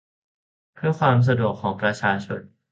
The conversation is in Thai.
เพื่อความสะดวกของประชาชน